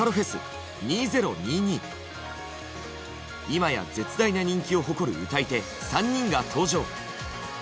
今や絶大な人気を誇る歌い手３人が登場！